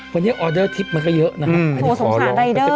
วันนี้ออเดอร์ทิปมันก็เยอะนะครับ